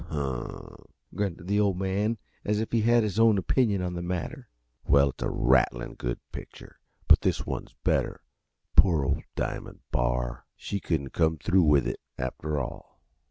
"Huh!" grunted the Old Man, as if he had his own opinion on that matter. "Well, it's a rattling good picture but this one's better. Poor ole Diamond Bar she couldn't come through with it, after all.